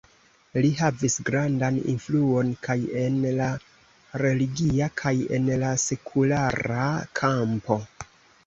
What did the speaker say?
Li havis grandan influon kaj en la religia kaj en la sekulara kampo.